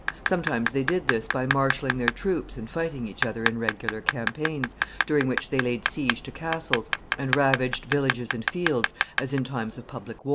Sometimes they did this by marshaling their troops and fighting each other in regular campaigns, during which they laid siege to castles, and ravaged villages and fields, as in times of public war.